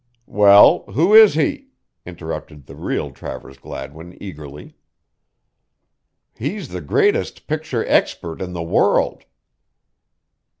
"Well, who is he?" interrupted the real Travers Gladwin, eagerly. "He's the greatest picture expert in the world!"